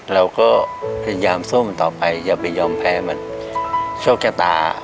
เราก็พยายามส้มต่อไปอย่าไปยอมแพ้มันโชคชะตา